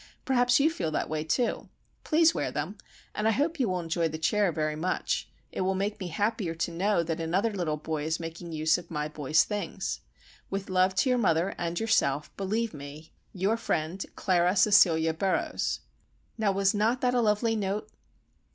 Perhaps you feel that way, too! Please wear them,—and I hope you will enjoy the chair very much. It will make me happier to know that another little boy is making use of my boy's things. "With love to your mother and yourself, believe me, "Your friend, Clara Cecilia Burroughs." Now was not that a lovely note?